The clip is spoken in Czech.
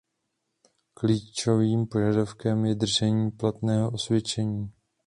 Klíčovým požadavkem je držení platného osvědčení.